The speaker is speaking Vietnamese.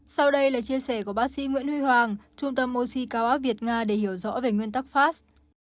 sau đây là chia sẻ của bác sĩ nguyễn huy hoàng trung tâm oxy cao áp việt nga để hiểu rõ về nguyên tắc fast